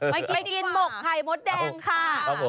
ไปกินหมกไข่มดแดงค่ะ